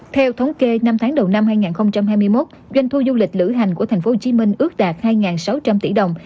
theo thống kê năm tháng đầu năm hai nghìn hai mươi một doanh thu du lịch lửa hành của tp hcm ước đạt hai sáu trăm linh tỷ đồng